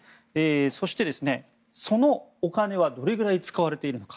そして、そのお金はどれくらい使われているのか。